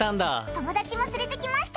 友達もつれてきました。